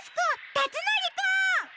たつのりくん！